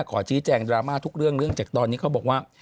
ขอชี้แจงดราม่าทุกเรื่องเรื่องจากตอนนี้เขาบอกว่า